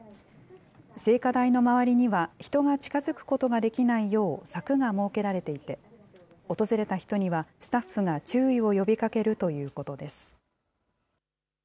聖火台の周りには人が近づくことができないよう、柵が設けられていて、訪れた人には、スタッフが注意を呼びかけるということです。